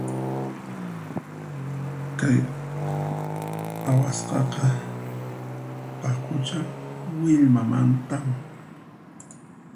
Kay awasqaqa paqucha millwamantam.